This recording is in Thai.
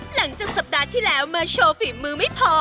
หลังจากสัปดาห์ที่แล้วมาโชว์ฝีมือไม่พอ